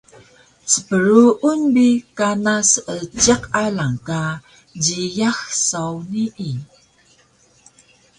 Spruun bi kana seejiq alang ka jiyax saw nii